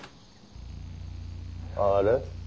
あれ？